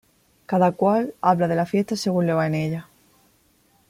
Cada cual habla de la fiesta según le va en ella